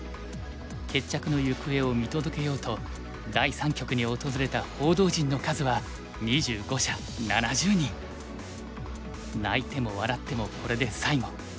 決着の行方を見届けようと第三局に訪れた報道陣の数は泣いても笑ってもこれで最後。